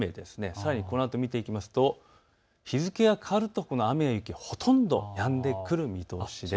さらにこのあとを見ていくと、日付が変わるとこの雨や雪はほとんどやんでくる見通しです。